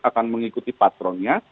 akan mengikuti patronnya